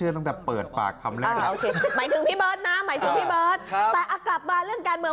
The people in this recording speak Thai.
แต่กลับมาเรื่องการเมือง